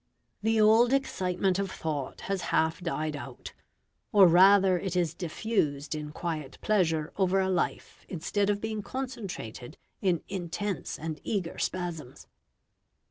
The old excitement of thought has half died out, or rather it is diffused in quiet pleasure over a life instead of being concentrated in intense and eager spasms.